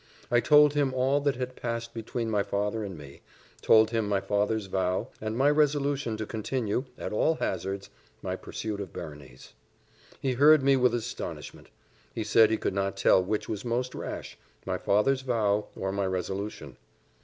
I told him all that had passed between my father and me, told him my father's vow, and my resolution to continue, at all hazards, my pursuit of Berenice. He heard me with astonishment: he said he could not tell which was most rash, my father's vow, or my resolution.